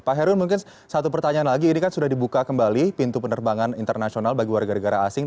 pak herun mungkin satu pertanyaan lagi ini kan sudah dibuka kembali pintu penerbangan internasional bagi warga negara asing